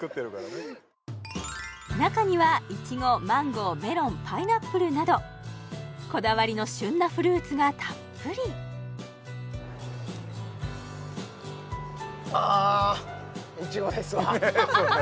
中にはイチゴマンゴーメロンパイナップルなどこだわりの旬なフルーツがたっぷりですよね